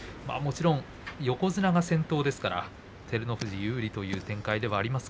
横綱が先頭ですから照ノ富士、有利という展開です。